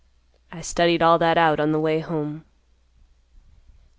I studied all that out on the way home."